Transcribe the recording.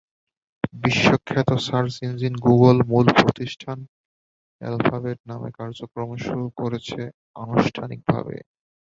বিশ্বখ্যাত search engine Google মূল প্রতিষ্ঠান অ্যালফাবেট নামে কার্যক্রম শুরু করেছে আনুষ্ঠানিকভাবে।